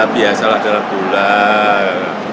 biasalah dalam bulan